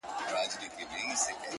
ترڅو له ماڅخه ته هېره سې,